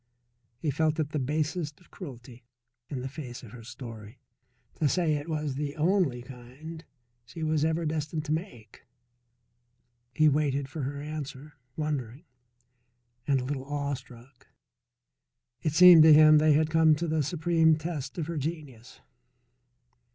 He felt it the basest cruelty, in the face of her story, to say it was the only kind she was ever destined to make. He waited for her answer, wondering, and a little awestruck. It seemed to him they had come to the supreme test of her genius.